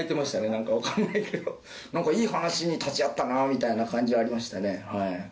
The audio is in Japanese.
なんかいい話に立ち会ったなみたいな感じはありましたね。